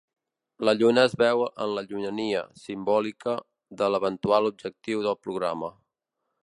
La lluna es veu en la llunyania, simbòlica de l'eventual objectiu del programa.